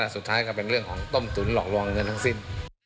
ก็เป็นเรื่องของต้มตุ๋นหลอกลวงเงินทั้งสิ้น